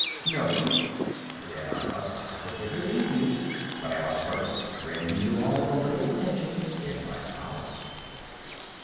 No? Then I must positively leave you. But I must first render you all the little attentions in my power."